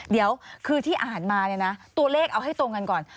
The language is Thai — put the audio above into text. เดี๋ยวคือที่อ่านมาเนี่ยนะตัวเลขเอาให้ตรงกันก่อน